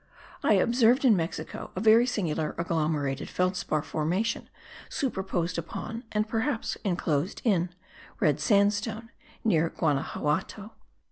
I observed in Mexico a very singular agglomerated felspar formation superposed upon (perhaps inclosed in) red sandstone, near Guanaxuato.)